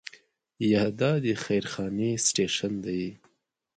یا دا د خیر خانې سټیشن دی.